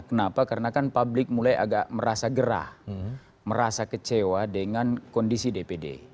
kenapa karena kan publik mulai agak merasa gerah merasa kecewa dengan kondisi dpd